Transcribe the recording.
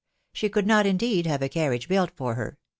She could not, indeed, have a carriage built for her